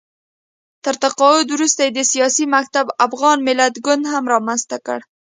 تر تقاعد وروسته یې د سیاسي مکتب افغان ملت ګوند هم رامنځته کړ